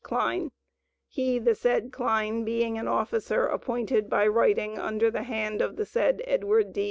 Kline, he, the said Kline, being an officer appointed by writing, under the hand of the said Edward D.